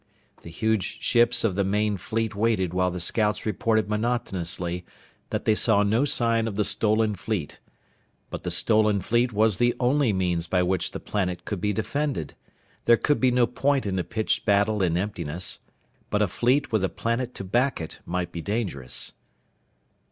The huge ships of the main fleet waited while the scouts reported monotonously that they saw no sign of the stolen fleet. But the stolen fleet was the only means by which the planet could be defended. There could be no point in a pitched battle in emptiness. But a fleet with a planet to back it might be dangerous.